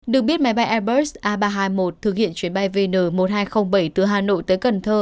được biết máy bay airbus a ba trăm hai mươi một thực hiện chuyến bay vn một nghìn hai trăm linh bảy từ hà nội tới cần thơ